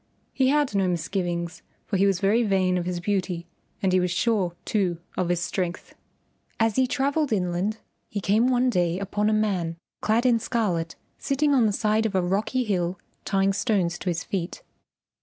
He had no misgivings, for he was very vain of his beauty and he was sure, too, of his strength. As he travelled inland he came one day upon a man clad in scarlet sitting on the side of a rocky hill tying stones to his feet.